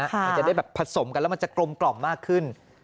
มันจะได้แบบผสมกันแล้วมันจะกลมกล่อมมากขึ้น